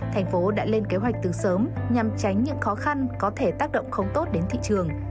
thành phố đã lên kế hoạch từ sớm nhằm tránh những khó khăn có thể tác động không tốt đến thị trường